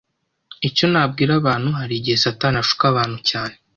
Icyo nabwira abantu hari igihe Satani ashuka abantu cyane